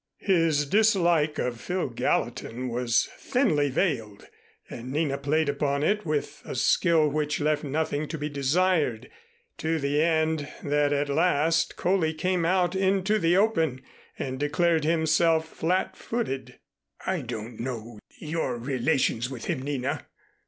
His dislike of Phil Gallatin was thinly veiled and Nina played upon it with a skill which left nothing to be desired, to the end that at the last Coley came out into the open and declared himself flat footed. "I don't know your relations with him, Nina.